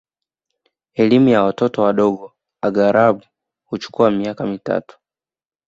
Elimu ya watoto wadogo aghalabu huchukua miaka mitatu